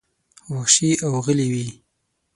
وحشي او غلي وې.